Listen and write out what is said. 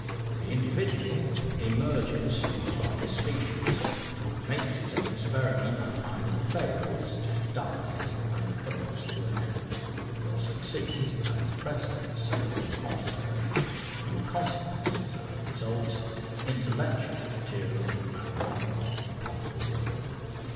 The individual emerges from the species, makes his experiment, and either fails, dies, and comes to an end, or succeeds and impresses himself in offspring, in consequences and results, intellectual, material and moral, upon the world.